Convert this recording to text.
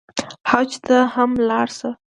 حج ته هم لاړ شه.